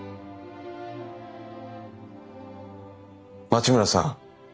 町村さん